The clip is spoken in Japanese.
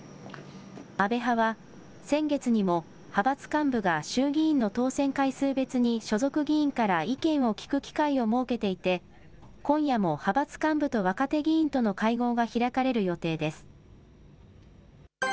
安倍派は、先月にも派閥幹部が衆議院の当選回数別に所属議員から意見を聞く機会を設けていて、今夜も派閥幹部と若手議員との会合が開かれる予定です。